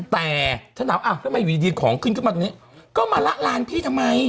แต่ฉันถามอ้าวทำไมอยู่ดีของขึ้นขึ้นมาตรงนี้ก็มาละลานพี่ทำไม